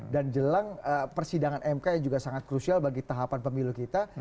dan jelang persidangan mk yang juga sangat crucial bagi tahapan pemilu kita